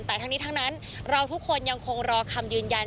แต่ทั้งนี้ทั้งนั้นเราทุกคนยังคงรอคำยืนยัน